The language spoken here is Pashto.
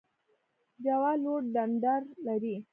جوار لوړ ډنډر لري